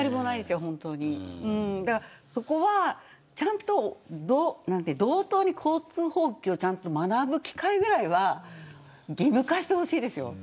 そこは、ちゃんと同等に交通法規を学ぶ機会ぐらいは義務化してほしいですよ。